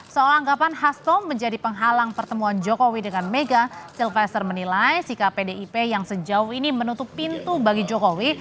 soal anggapan hasto menjadi penghalang pertemuan jokowi dengan mega sylvester menilai sikap pdip yang sejauh ini menutup pintu bagi jokowi